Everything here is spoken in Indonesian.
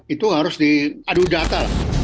itu harus diadu data